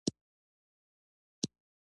ازادي راډیو د بهرنۍ اړیکې بدلونونه څارلي.